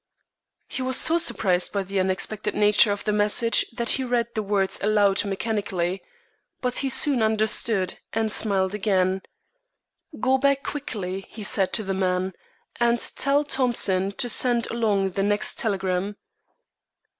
He was so surprised by the unexpected nature of the message that he read the words aloud mechanically. But he soon understood, and smiled again. "Go back quickly," he said to the man, "and tell Thompson to send along the next telegram."